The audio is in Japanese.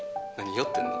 酔ってんの？